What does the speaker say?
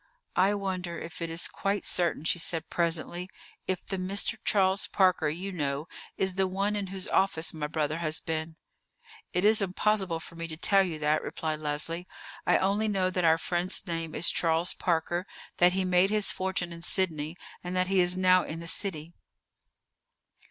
"I wonder if it is quite certain," she said presently, "if the Mr. Charles Parker you know is the one in whose office my brother has been?" "It is impossible for me to tell you that," replied Leslie. "I only know that our friend's name is Charles Parker, that he made his fortune in Sydney, and that he is now in the city."